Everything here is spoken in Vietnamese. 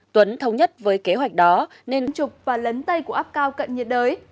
tuấn thống nhất với kế hoạch đó nên trục và lấn tay của áp cao cận nhiệt đới